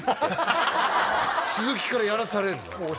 続きからやらされるの。